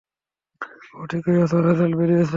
ও ঠিকই আছে, ওর রেজাল্ট বেরিয়েছে।